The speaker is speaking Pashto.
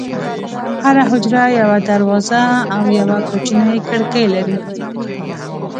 هره حجره یوه دروازه او یوه کوچنۍ کړکۍ لري.